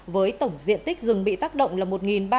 với tổng diện tích rừng bị tác động là một ba trăm bảy mươi hai m hai